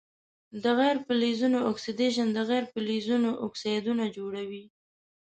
د غیر فلزونو اکسیدیشن د غیر فلزونو اکسایدونه جوړوي.